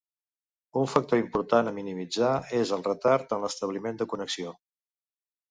Un factor important a minimitzar és el retard en l'establiment de connexió.